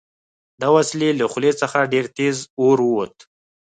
د وسلې له خولې څخه ډېر تېز اور ووت